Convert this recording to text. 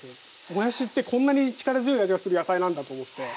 もやしってこんなに力強い味がする野菜なんだと思って。